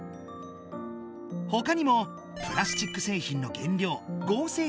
ほかにもプラスチックせいひんの原料合せ